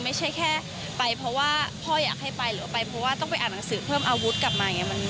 ไม่ใช่แค่ไปเพราะว่าพ่ออยากให้ไปหรือว่าไปเพราะว่าต้องไปอ่านหนังสือเพิ่มอาวุธกลับมาอย่างนี้